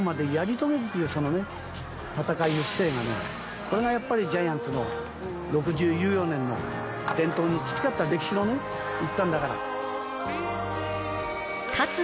がねこれがやっぱりジャイアンツの６０有余年の伝統に培った歴史のね一端だから。